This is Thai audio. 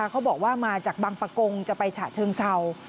เขาบอกว่ามาจากบังปะกงจะไปฉะเชิงเศร้า